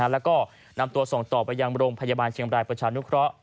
และนำตัวส่งต่อไปยังบรมพยาบาลเชียงบรายประชานุคร้อ